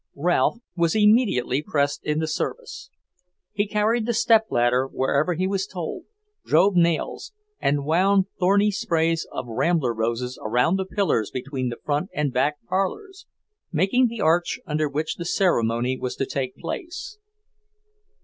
Ralph was immediately pressed into service. He carried the step ladder wherever he was told, drove nails, and wound thorny sprays of rambler roses around the pillars between the front and back parlours, making the arch under which the ceremony was to take place.